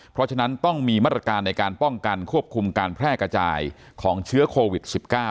เพราะฉะนั้นต้องมีมาตรการในการป้องกันควบคุมการแพร่กระจายของเชื้อโควิด๑๙